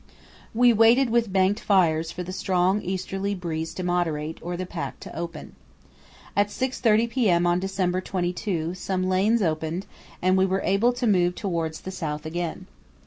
We waited with banked fires for the strong easterly breeze to moderate or the pack to open. At 6.30 p.m. on December 22 some lanes opened and we were able to move towards the south again.